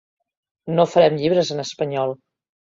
No farem llibres en espanyol.